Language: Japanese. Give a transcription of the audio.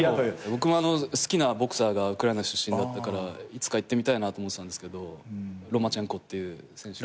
僕も好きなボクサーがウクライナ出身だったからいつか行ってみたいなと思ってたんですけどロマチェンコっていう選手。